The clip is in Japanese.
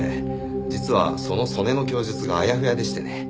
実はその曽根の供述があやふやでしてね。